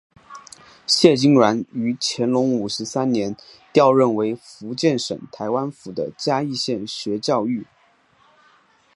谢金銮于乾隆五十三年调任为福建省台湾府的嘉义县学教谕。